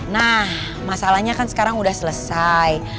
nah masalahnya kan sekarang sudah selesai